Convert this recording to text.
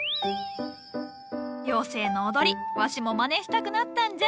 妖精の踊りわしもまねしたくなったんじゃ。